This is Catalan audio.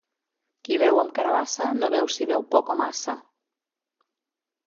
Qui beu amb carabassa no veu si beu poc o massa.